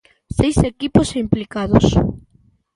Seis equipos implicados.